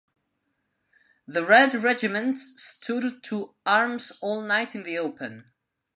The Red Regiment stood to arms all night in the open.